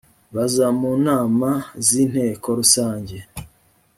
baza mu nama z inteko rusange